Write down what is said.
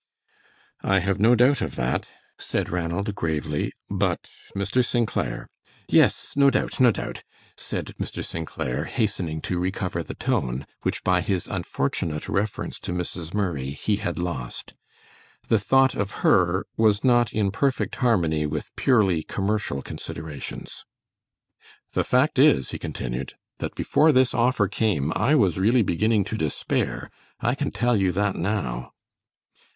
"I have no doubt of that," said Ranald, gravely; "but, Mr. St. Clair " "Yes, no doubt, no doubt," said Mr. St. Clair, hastening to recover the tone, which by his unfortunate reference to Mrs. Murray, he had lost. The thought of her was not in perfect harmony with purely commercial considerations. "The fact is," he continued, "that before this offer came I was really beginning to despair. I can tell you that now."